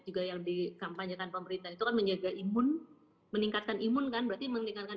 juga yang di kampanye tanpa berita itu menjaga imun meningkatkan imun kan berarti menikahkan